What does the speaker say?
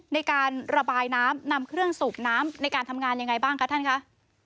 ในการระบายน้ำนำเครื่องสูบน้ำในการทำงานยังไงบ้างคะท่านคะ